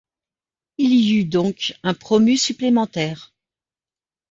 Il y eut donc un promu supplémentaire.